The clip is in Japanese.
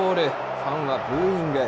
ファンはブーイング。